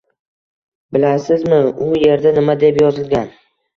Bilasizmi, u yerda nima deb yozilgan?